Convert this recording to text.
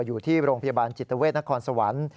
อยู่ที่โรงพยาบาลจิตเวทนครสวรรค์